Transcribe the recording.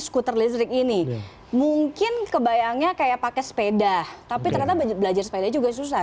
skuter listrik ini mungkin kebayangnya kayak pakai sepeda tapi ternyata belajar sepeda juga susah